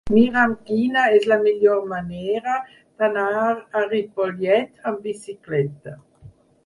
Mira'm quina és la millor manera d'anar a Ripollet amb bicicleta.